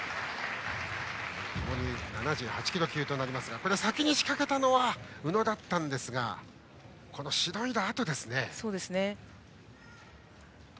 ともに７８キロ級となりますが先に仕掛けたのは宇野だったんですがしのいだあとですね。